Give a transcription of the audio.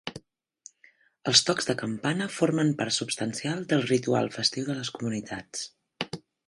Els tocs de campana formen part substancial del ritual festiu de les comunitats.